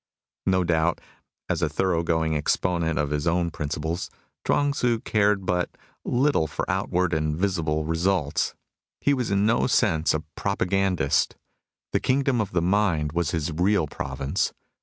No doubt, as a thorough going exponent of his own principles, Chuang Tzu cared but little 36 MUSINGS OP A CHINESE MYSTIC for outward and visible results. He was in no sense a propagandist ; the kingdom of the mind was his real province.